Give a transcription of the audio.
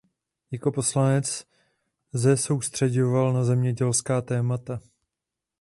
Jako poslanec ze soustřeďoval na zemědělská témata.